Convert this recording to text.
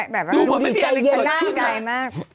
ดูดิใจเย็น